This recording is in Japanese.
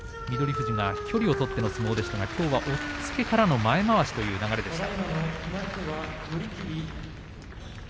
富士が距離を取っての相撲でしたが、きょうは押っつけからの前まわしという流れでした。